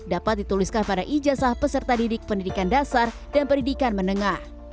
dapat dituliskan pada ijazah peserta didik pendidikan dasar dan pendidikan menengah